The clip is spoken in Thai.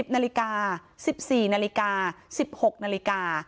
๑นาฬิกา๑๔นาฬิกา๑๖นาฬิกา